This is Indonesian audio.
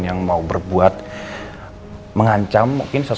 dan terima kasih